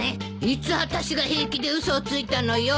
いつ私が平気で嘘をついたのよ。